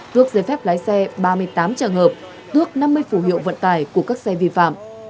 tước giấy phép lái xe ba mươi tám trường hợp tước năm mươi phủ hiệu vận tải của các xe vi phạm